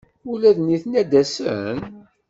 Ula d nitni ad d-asen?